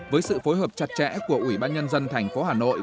với sự phối hợp chặt chẽ của ủy ban nhân dân thành phố hà nội